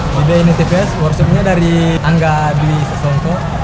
di bi netifest workshopnya dari angga duimas sasongko